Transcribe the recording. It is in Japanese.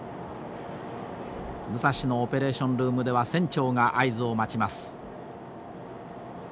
武蔵のオペレーションルームでは船長が合図を待ちます。